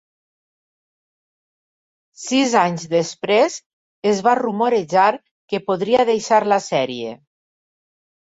Sis anys després, es va rumorejar que podria deixar la sèrie.